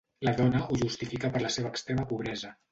La dona ho justifica per la seva extrema pobresa.